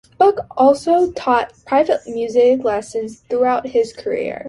Buck also taught private music lessons throughout his career.